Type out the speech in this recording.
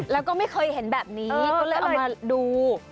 แล้วก็ไม่เคยเห็นแบบนี้ก็เลยเอามาดู